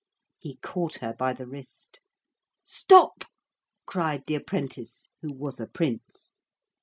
He caught her by the wrist. 'Stop,' cried the apprentice, who was a Prince.